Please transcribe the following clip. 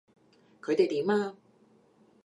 佢哋點啊？